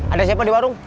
ada siapa di warung